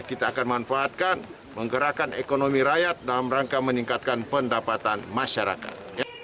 kita akan manfaatkan menggerakkan ekonomi rakyat dalam rangka meningkatkan pendapatan masyarakat